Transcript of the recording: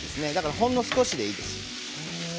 ほんの少しでいいです。